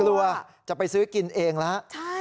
กลัวจะไปซื้อกินเองแล้ว